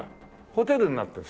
ホテルになってる。